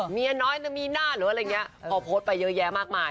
เมียน้อยมีหน้าหรืออะไรอย่างนี้พอโพสต์ไปเยอะแยะมากมาย